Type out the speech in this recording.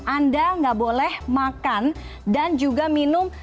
anda nggak boleh makan dan juga minum